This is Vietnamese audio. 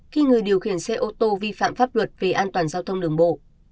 khi người điều khiển xe ô tô vi phạm pháp luật về an toàn giao thông đường bộ